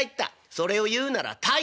「それを言うならたいだ」。